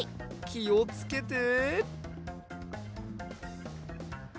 きをつけて！